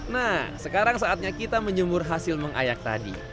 nah sekarang saatnya kita menjemur hasil mengayak tadi